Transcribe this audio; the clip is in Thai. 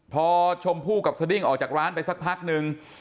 พอชมพู่กับสดิ้งออกจากร้านไปสักพักนึง